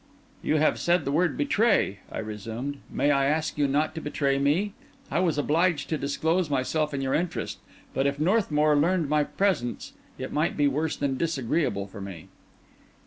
"You have said the word betray," I resumed. "May I ask you not to betray me? I was obliged to disclose myself in your interest; but if Northmour learned my presence it might be worse than disagreeable for me."